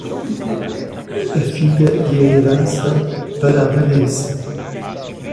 A filha e a herança, para a velhice.